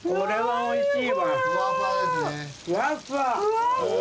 おいしい！